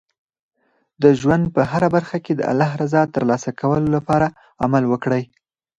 د ژوند په هره برخه کې د الله رضا ترلاسه کولو لپاره عمل وکړئ.